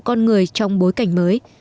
con người trong bối cảnh mới